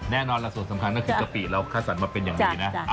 แน่นอนล่ะส่วนสำคัญก็คือกะปิเราคัดสรรมาเป็นอย่างดีนะ